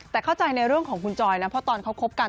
แต่เข้าใจในเรื่องของคุณจอยนะเพราะตอนเขาคบกัน